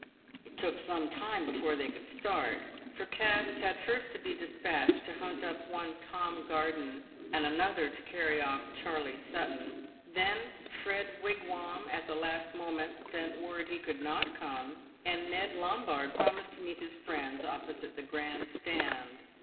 It took some time before they could start, for cabs had first to be despatched to hunt up one Tom Garden, and another to carry off Charley Sutton ; then Fred "Wigwam, at the last moment, sent word he could not come, and Ned Lom bard promised to meet his friends opposite the Grand Stand.